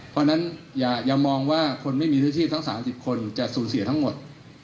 เพราะฉะนั้นอย่ามองว่าคนไม่มีเนื้อที่ทั้ง๓๐คนจะสูญเสียทั้งหมด